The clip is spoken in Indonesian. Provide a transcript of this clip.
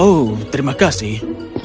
oh terima kasih